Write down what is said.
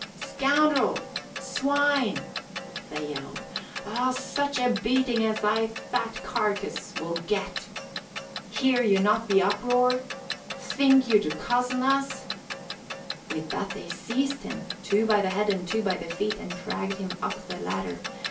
Scoundrel! Swine!" they yelled. "Oh, such a beating as thy fat carcase will get. Hear you not the uproar? Think you to cozzen us?" With that they seized him, two by the head and two by the feet, and dragged him to the ladder.